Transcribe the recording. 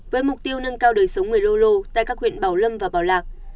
với mục tiêu nâng cao đời sống người lô lô tại các huyện bảo lâm và bảo lạc